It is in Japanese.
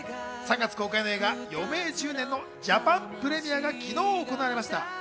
３月公開の映画『余命１０年』のジャパンプレミアが昨日行われました。